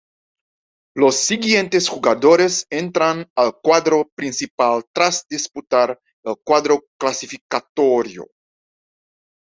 Los siguientes jugadores entran al cuadro principal tras disputar el cuadro clasificatorio.